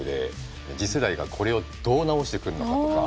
次世代がこれをどう直してくるのかとか。